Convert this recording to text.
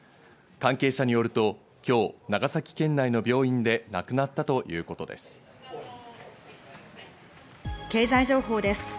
関係者によると、今日長崎県内の病院で亡くなったということです。